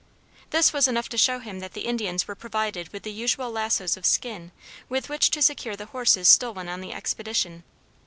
This was enough to show him that the Indians were provided with the usual lassoes of skin with which to secure the horses stolen on the expedition.